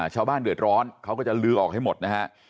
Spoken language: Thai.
ชาวบ้านเดือดร้อนเขาก็จะลื้อออกให้หมดนะฮะ